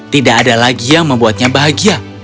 tidak ada lagi yang membuatnya bahagia